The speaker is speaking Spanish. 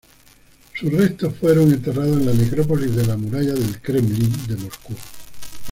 Sus restos fueron enterrados en la Necrópolis de la Muralla del Kremlin de Moscú.